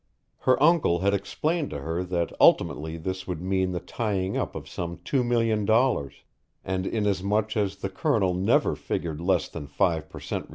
Her uncle had explained to her that ultimately this would mean the tying up of some two million dollars, and inasmuch as the Colonel never figured less than five per cent.